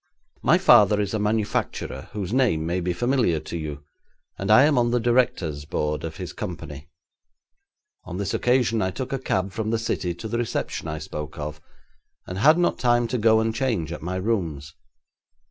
'My father is a manufacturer whose name may be familiar to you, and I am on the directors' board of his company. On this occasion I took a cab from the city to the reception I spoke of, and had not time to go and change at my rooms.